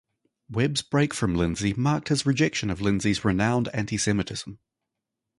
Webb's break from Lindsay marked his rejection of Lindsay's renowned anti-Semitism.